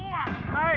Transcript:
はい。